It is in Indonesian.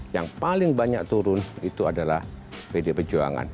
yang paling banyak turun itu adalah pdi perjuangan